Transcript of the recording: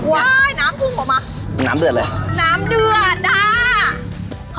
ว่ายน้ำพุ่งออกมาน้ำเดือดเลยน้ำเดือด้า